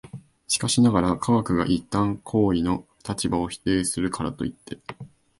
しかしながら、科学が一旦行為の立場を否定するからといって、